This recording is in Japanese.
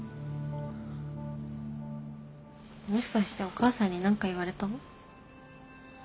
もしかしてお母さんに何か言われた？